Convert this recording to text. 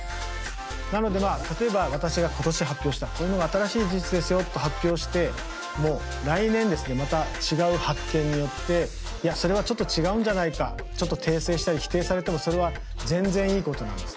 なのでまあ例えば私が今年発表したこういうのが新しい事実ですよと発表しても来年ですねまた違う発見によっていやそれはちょっと違うんじゃないかちょっと訂正したり否定されてもそれは全然いいことなんです。